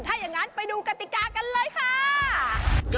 ถ้าอย่างนั้นไปดูกติกากันเลยค่ะ